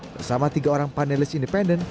bersama tiga orang panelis independen